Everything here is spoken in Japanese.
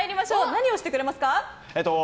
何をしてくれますか？